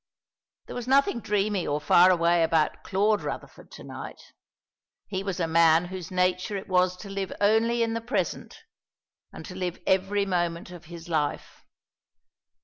There was nothing dreamy or far away about Claude Rutherford to night. He was a man whose nature it was to live only in the present, and to live every moment of his life.